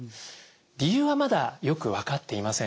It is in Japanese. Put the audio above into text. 理由はまだよく分かっていません。